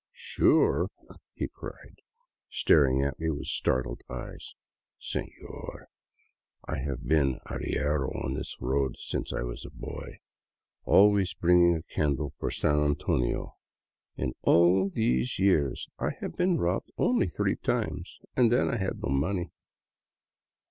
" Sure ?" he cried, staring at me with startled eyes, " Senor, I have been arriero on this road since I was a boy, always bringing a candle for San Antonio ; in all those years I have been robbed only three times — and then I had no money."